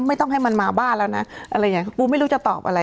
ไม่ต้องให้มันมาบ้านแล้วนะอะไรอย่างนี้ปูไม่รู้จะตอบอะไร